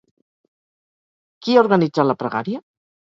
Qui ha organitzat la pregària?